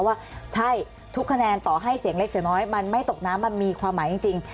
ว่าใช่ทุกคะแนนต่อให้เสียงเล็กเสียงน้อยมันไม่ตกน้ำมันมีความหมายจริง